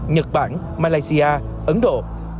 nhật bản malaysia ấn độ